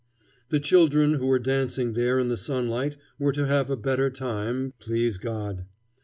The children who were dancing there in the sunlight were to have a better time, please God!